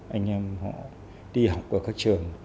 anh em họ đi học ở các trường